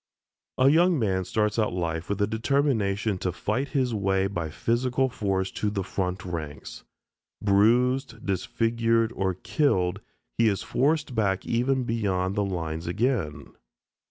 A young man starts out in life with the determination to fight his way by physical force to the front ranks. Bruised, disfigured, or killed, he is forced back even beyond the lines again.